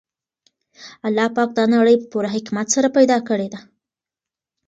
پاک الله دا نړۍ په پوره حکمت سره پیدا کړې ده.